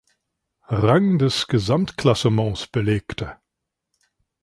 Rang des Gesamtklassements belegte.